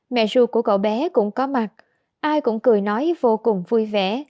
mẹ ruột của cậu bé cũng có mặt ai cũng cười nói vô cùng vui vẻ